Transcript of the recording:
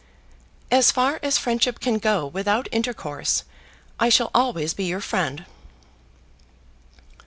"As far as friendship can go without intercourse, I shall always be your friend."